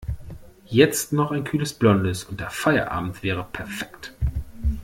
Jetzt noch ein kühles Blondes und der Feierabend wäre perfekt.